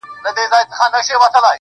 پتـه د مئين سړي صفا لګي